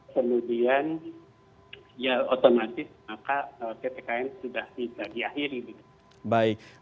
kemudian ya otomatis maka ppkm sudah bisa diakhiri